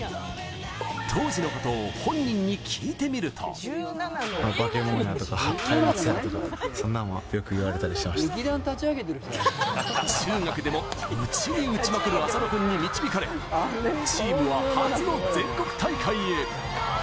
当時のことを本人に聞いてみると中学でも打ちに打ちまくる浅野君に導かれ、チームは初の全国大会へ！